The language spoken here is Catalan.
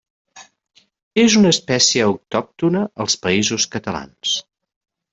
És una espècie autòctona als Països Catalans.